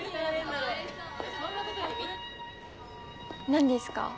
何ですか？